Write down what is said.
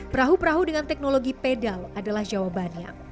perahu perahu dengan teknologi pedal adalah jawabannya